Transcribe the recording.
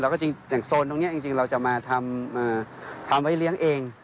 แล้วก็จริงอย่างโซนตรงนี้จริงเราจะมาทำไว้เลี้ยงเอง